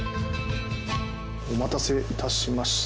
お待たせ致しました。